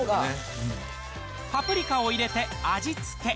パプリカを入れて味付け。